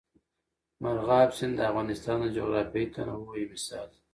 مورغاب سیند د افغانستان د جغرافیوي تنوع یو مثال دی.